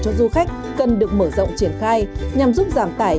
cho du khách cần được mở rộng triển khai nhằm giúp giảm tải